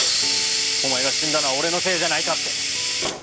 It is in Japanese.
お前が死んだのは俺のせいじゃないかって。